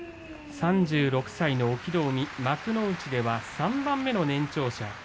３６歳の隠岐の海幕内では３番目の年長者。